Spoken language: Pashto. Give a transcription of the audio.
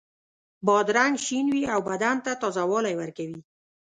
بادرنګ شین وي او بدن ته تازه والی ورکوي.